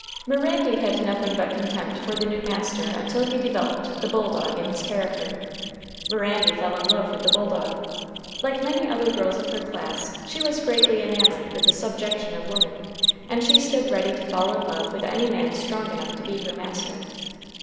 Mirandy had nothing but contempt for the new master until he developed the bulldog in his character. Mirandy fell in love with the bulldog. Like many other girls of her class, she was greatly enamored with the "subjection of women," and she stood ready to fall in love with any man strong enough to be her master.